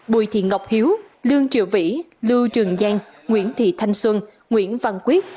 bùi thị ngọc hiếu lương triệu vĩ lưu trường giang nguyễn thị thanh xuân nguyễn văn quyết